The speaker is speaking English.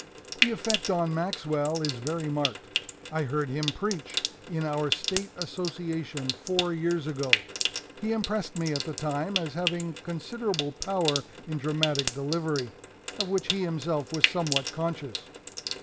"The effect on Maxwell is very marked. I heard him preach in our State Association four years ago. He impressed me at the time as having considerable power in dramatic delivery, of which he himself was somewhat conscious.